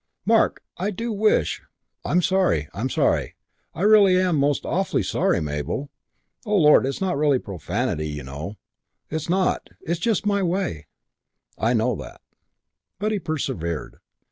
"Mark, I do wish " "I'm sorry. I'm sorry. I really am most awfully sorry, Mabel. 'Oh, lord''s not really profanity. You know it's not. It's just my way " "I know that." But he persevered.